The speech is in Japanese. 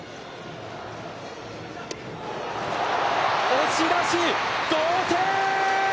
押し出し、同点！